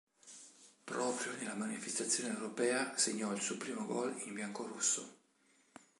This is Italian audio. Proprio nella manifestazione europea segnò il suo primo gol in biancorosso.